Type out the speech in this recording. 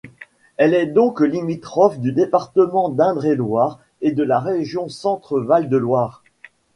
Elle est donc limitrophe du département d'Indre-et-Loire et de la région Centre-Val de Loire.